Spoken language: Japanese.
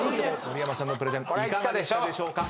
盛山さんのプレゼンいかがでしたでしょうか？